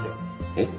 えっ？